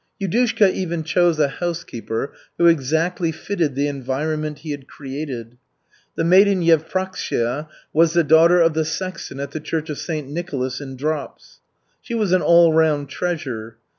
Yudushka even chose a housekeeper who exactly fitted the environment he had created. The maiden Yevpraksia was the daughter of the sexton at the church of St. Nicholas in Drops. She was an all round treasure.